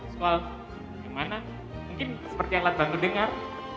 soal bagaimana mungkin seperti alat bantu dengar